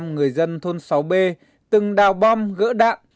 bảy mươi người dân thôn sáu b từng đào bom gỡ đạn